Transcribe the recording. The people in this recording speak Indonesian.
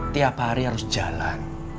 tiap hari harus jalan